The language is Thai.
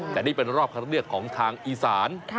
แต่นี่เป็นรอบคันเลือกของทางอีสาน